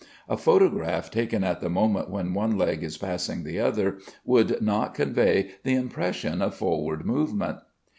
A photograph taken at the moment when one leg is passing the other, would not convey the impression of forward movement.